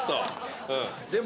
でも。